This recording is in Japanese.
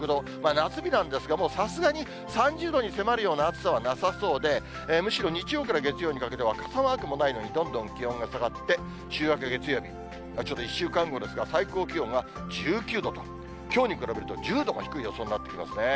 夏日なんですが、もうさすがに３０度に迫るような暑さはなさそうで、むしろ日曜から月曜にかけては傘マークもないのに、どんどん気温が下がって、週明け月曜日、ちょっと１週間後ですが、最高気温が１９度と、きょうに比べると１０度も低い予想になっていますね。